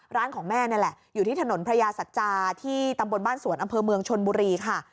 ของแม่นี่แหละอยู่ที่ถนนพระยาสัจจาที่ตำบลบ้านสวนอำเภอเมืองชนบุรีค่ะ